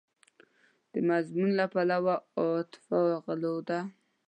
د مضمون له پلوه عاطفي غلوه ده.